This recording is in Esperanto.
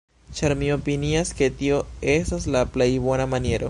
ĉar mi opinias, ke tio estas la plej bona maniero